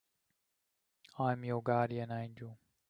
I'm your guardian angel.